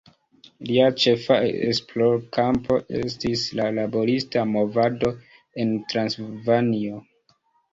Lia ĉefa esplorkampo estis la laborista movado en Transilvanio.